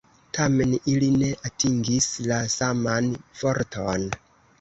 Tamen, ili ne atingis la saman forton.